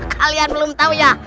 kalian belum tahu ya